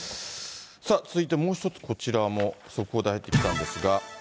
続いてもう一つこちらも速報で入ってきたんですが。